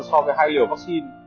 so với hai liều vắc xin